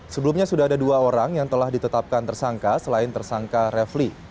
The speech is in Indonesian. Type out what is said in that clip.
sebelumnya sudah ada dua orang yang telah ditetapkan tersangka selain tersangka refli